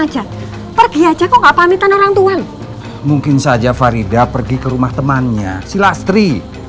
aja pergi aja kok gak pamitan orangtuan mungkin saja faridah pergi ke rumah temannya si lastri